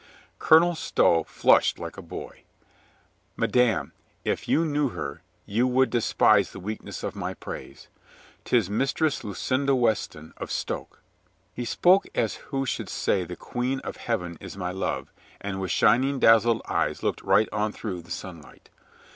Colonel Stow flushed like a boy. "Madame, if you knew her, you would despise the weakness of my praise. 'Tis Mistress Lucinda Weston of Stoke." He spoke as who should say "the Queen of Heaven is my love," and with shining dazzled eyes looked right on through the sunlight.